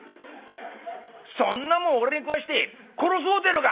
そんなもん俺に食わして殺そうってえのか！」。